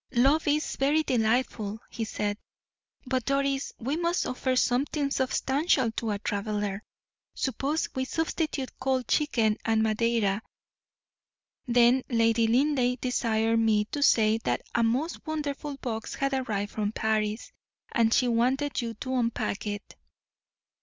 "Love is very delightful," he said, "but, Doris, we must offer something substantial to a traveler; suppose we substitute cold chicken and Madeira. Then Lady Linleigh desired me to say that a most wonderful box had arrived from Paris, and she wanted you to unpack it."